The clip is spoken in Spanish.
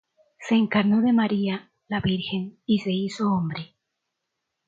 se encarnó de María, la Virgen, y se hizo hombre;